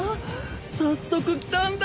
早速来たんだ